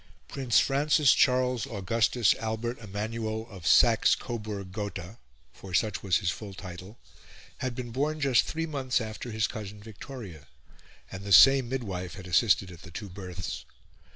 Prince Francis Charles Augustus Albert Emmanuel of Saxe Coburg Gotha for such was his full title had been born just three months after his cousin Victoria, and the same midwife had assisted at the two births.